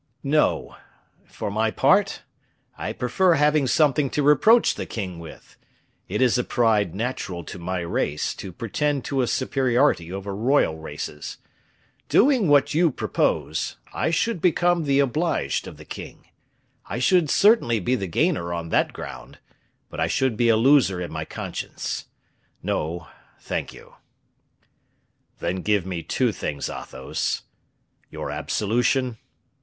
"No; for my part I prefer having something to reproach the king with; it is a pride natural to my race to pretend to a superiority over royal races. Doing what you propose, I should become the obliged of the king; I should certainly be the gainer on that ground, but I should be a loser in my conscience. No, thank you!" "Then give me two things, Athos, your absolution."